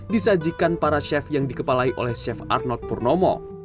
disajikan para chef yang dikepalai oleh chef arnold purnomo